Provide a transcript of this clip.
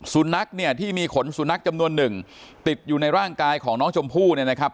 สุนัขเนี่ยที่มีขนสุนัขจำนวนหนึ่งติดอยู่ในร่างกายของน้องชมพู่เนี่ยนะครับ